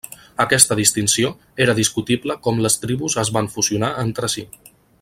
Aquesta distinció era discutible com les tribus es van fusionar entre si.